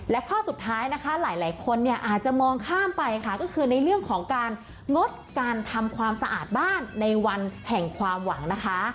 และข้อสุดท้ายนะคะหลายคนเนี่ยอาจจะมองข้ามไปค่ะก็คือในเรื่องของการงดการทำความสะอาดบ้านในวันแห่งความหวังนะคะ